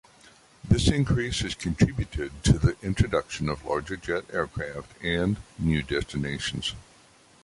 This increase is contributed to the introduction of larger jet aircraft and new destinations.